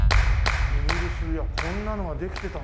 イギリスこんなのができてたんだ。